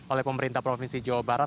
oleh pemerintah provinsi jawa barat